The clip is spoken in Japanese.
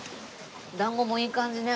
団子もいい感じね。